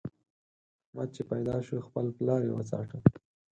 احمد چې پيدا شو؛ خپل پلار يې وڅاټه.